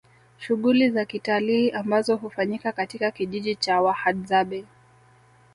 Shughuli za kitalii ambazo hufanyika katika kijiji cha Wahadzabe